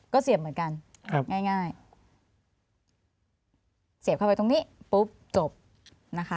ก็เสียบเหมือนกันครับง่ายง่ายเสียบเข้าไปตรงนี้ปุ๊บจบนะคะ